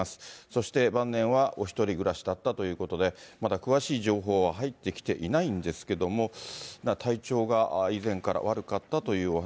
そして晩年はお１人暮らしだったということで、まだ詳しい情報は入ってきていないんですけども、体調が以前から悪かったというお